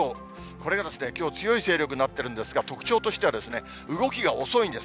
これがきょう、強い勢力になってるんですが、特徴としては、動きが遅いんです。